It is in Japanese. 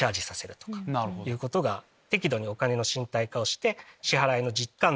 適度にお金の身体化をして。